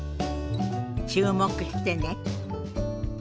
注目してね。